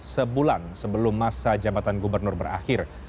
sebulan sebelum masa jabatan gubernur berakhir